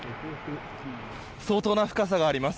相当な深さがあります。